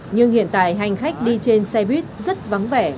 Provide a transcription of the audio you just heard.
nhưng hiện tại hành khách đi trên xe buýt rất vắng vẻ